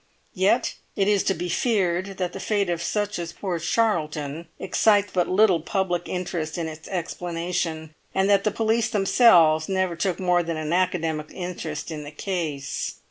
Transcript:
Yet it is to be feared that the fate of such as poor Charlton excites but little public interest in its explanation, and that the police themselves never took more than an academic interest in the case."